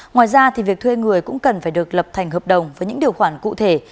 ngoài ra việc thuê người cũng cần phải được lập thành hợp đồng với những điều khoản cụ thể